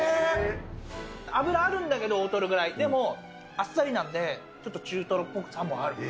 脂あるんだけど、大トロぐらい、でも、あっさりなんで、ちょっと中トロっぽさもある。